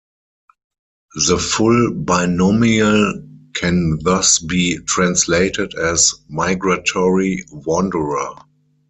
The full binomial can thus be translated as "migratory wanderer".